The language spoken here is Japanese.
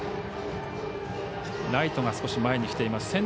ライトが少し前に来ています。